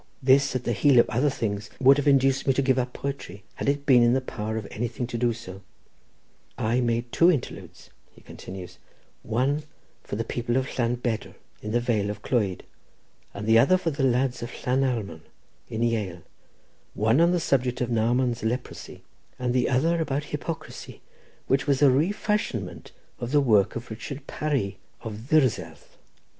This at the heel of other things would have induced me to give up poetry, had it been in the power of anything to do so. I made two interludes," he continues, "one for the people of Llanbedr, in the Vale of Clwyd, and the other for the lads of Llanarmon in Yale, one on the subject of Naaman's leprosy, and the other about hypocrisy, which was a refashionment of the work of Richard Parry of Ddiserth.